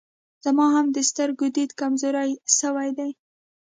زما هم د سترګو ديد کمزوری سوی دی